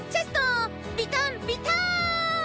ビターンビターン！